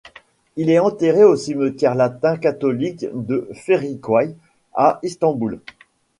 Il est enterré au cimetière latin catholique de Feriköy à Istanbul.